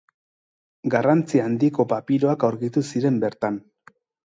Garrantzi handiko papiroak aurkitu ziren bertan.